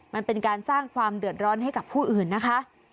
มันเป็นการสร้างความเดือดร้อนให้กับผู้อื่นนะคะ